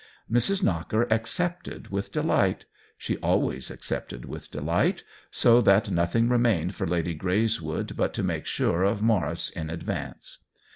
Mrs. Knocker accepted with delight — she always accepted with delight — so that noth ing remained for Lady Greyswood but to make sure of Maurice in advance.